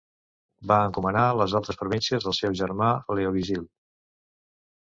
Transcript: Va encomanar les altres províncies al seu germà Leovigild.